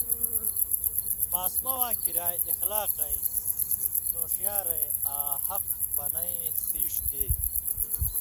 ماسمہ واں کریا اخلاقَیں، سُون٘شیارَیں آں حق بنَئیں سیڇھ دی۔